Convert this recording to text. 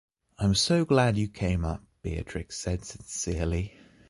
“I’m so glad you came up,” Beatrix said sincerely.